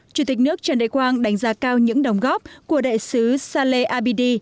chủ tịch nước trần đại quang đánh giá cao những đồng góp của đại sứ sale abidi